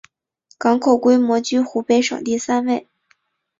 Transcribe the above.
港口规模居湖北省第三位。